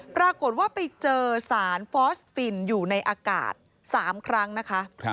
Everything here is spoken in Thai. ปรากฏว่าไปเจอสารฟอสฟินอยู่ในอากาศ๓ครั้งนะคะ